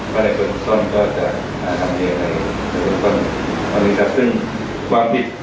เวลาคนทุกวันก็จะอาจารย์เลือกเลยพวกเขาคนทุกวันครับซึ่งความผิด